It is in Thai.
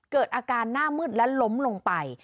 เกิดอาการหน้ามืดและล้มลงไป